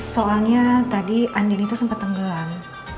soalnya tadi andin itu sempat tenggelam